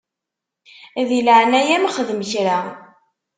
Di leɛnaya-m xdem kra.